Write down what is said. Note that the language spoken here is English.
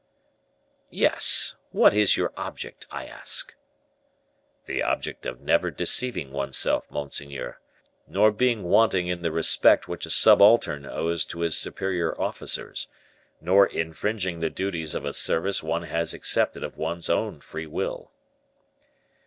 "Yes; what is your object, I ask?" "The object of never deceiving oneself, monseigneur; nor being wanting in the respect which a subaltern owes to his superior officers, nor infringing the duties of a service one has accepted of one's own free will."